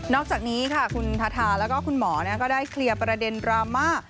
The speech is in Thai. อกจากนี้ค่ะคุณทาทาแล้วก็คุณหมอก็ได้เคลียร์ประเด็นดราม่า